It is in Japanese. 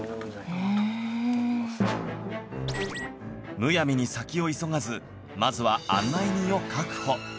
むやみに先を急がずまずは案内人を確保